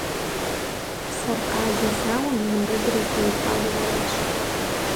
Саркъалэ зауэм и уэрэдыр зытеухуари аращ.